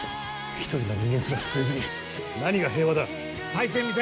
１人の人間すら救えずに何が平和だ。